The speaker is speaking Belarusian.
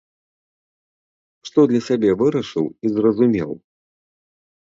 Што для сябе вырашыў і зразумеў?